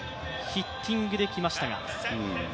ヒッティングで来ましたが。